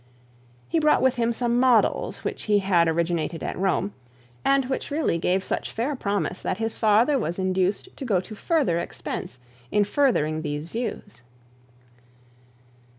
He brought with him some models which he had originated at Rome, and which really gave much fair promise that his father was induced to go to further expense in furthering these views.